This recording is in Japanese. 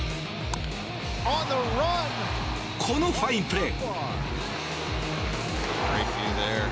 このファインプレー。